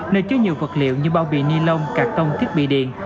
nơi chứa nhiều vật liệu như bao bì ni lông cạc tông thiết bị điện